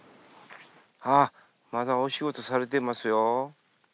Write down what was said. まだお仕事されてますよ。